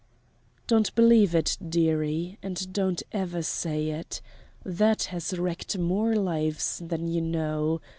"Don't believe it, dearie and don't ever say it. That has wrecked more lives than you know.